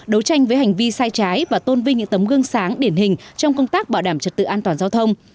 đấu tranh với hành vi sai trái và tôn vinh những tấm gương sáng điển hình trong công tác bảo đảm trật tự an toàn giao thông